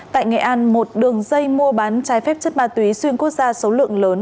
tại nghệ an một đường dây mua bán trái phép chất ma túy xuyên quốc gia số lượng lớn